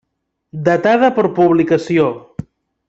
Datada per publicació.